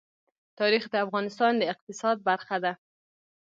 تاریخ د افغانستان د اقتصاد برخه ده.